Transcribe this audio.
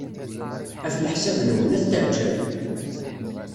Ɣef leḥsab-nwen, ad t-teɛjeb?